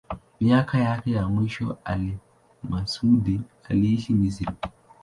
Miaka yake ya mwisho al-Masudi aliishi Misri.